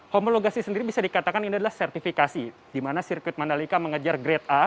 homologacy sendiri bisa dikatakan ini adalah sertifikasi di mana sirkuit mandalika mengejar grade a